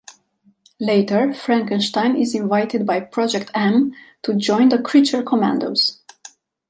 Later, Frankenstein is invited by Project M to join the Creature Commandos.